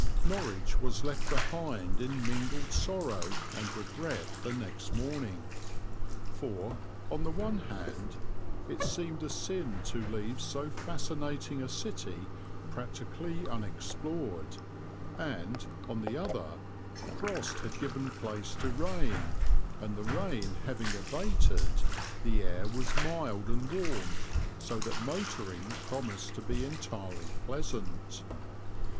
Norwich was left behind in mingled sorrow and regret the next morning, for, on the one hand, it seemed a sin to leave so fascinating a city practically unexplored, and, on the other, frost had given place to rain, and the rain having abated, the air was mild and warm, so that motoring promised to be entirely pleasant.